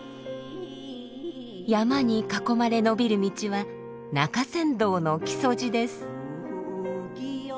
山に囲まれのびる道は中山道の木曽路です。